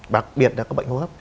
đặc biệt là các bệnh hô hấp